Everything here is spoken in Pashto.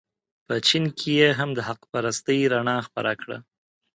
په چین کې یې هم د حق پرستۍ رڼا خپره کړه.